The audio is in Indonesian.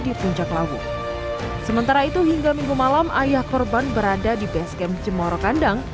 di puncak lawu sementara itu hingga minggu malam ayah korban berada di base camp jemoro kandang